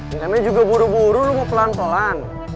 temennya juga buru buru lo mau pelan pelan